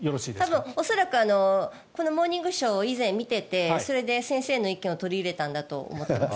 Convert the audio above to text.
恐らく「モーニングショー」を以前見ていてそれで先生の意見を取り入れたんだと思っています。